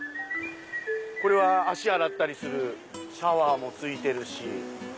これは脚洗ったりするシャワーもついてるし。